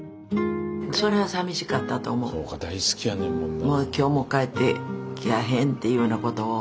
そうか大好きやねんもんな。